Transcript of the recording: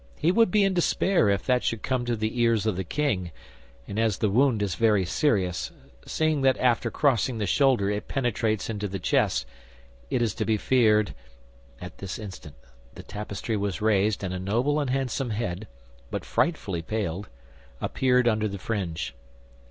He would be in despair if that should come to the ears of the king; and as the wound is very serious, seeing that after crossing the shoulder it penetrates into the chest, it is to be feared—" At this instant the tapestry was raised and a noble and handsome head, but frightfully pale, appeared under the fringe.